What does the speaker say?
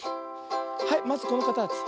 はいまずこのかたち。